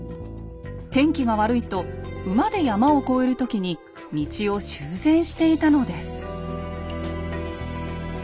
天気が悪いと馬で山を越える時に道を修繕していたのです。